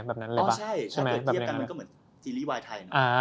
ไม่ใช่ถ้าเกิดเทียบกันมันก็เหมือนซีรีส์วายไทยเนอะ